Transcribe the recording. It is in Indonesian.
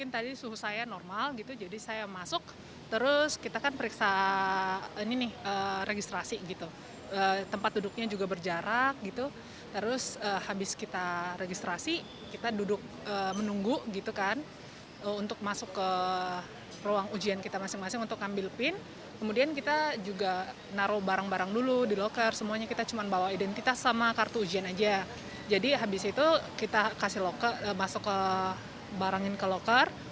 jadi habis itu kita kasih masuk ke barangin ke lokar